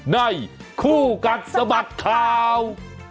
ในคู่กันสมัครข่าว